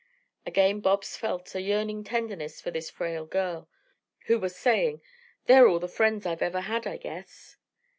Again Bobs felt a yearning tenderness for this frail girl, who was saying, "They're all the friends I've ever had, I guess."